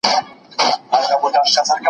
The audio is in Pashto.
دا پدیده د اړیکو پایله ده.